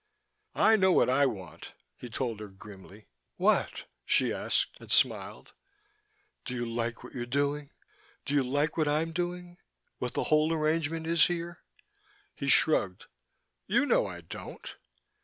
"I know what I want," he told her grimly. "What?" she asked, and smiled. "Do you like what you're doing? Do you like what I'm doing what the whole arrangement is here?" He shrugged. "You know I don't."